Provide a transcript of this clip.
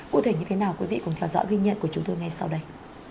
cụ thể như thế nào quý vị cùng theo dõi ghi nhận của chúng tôi ngay sau đây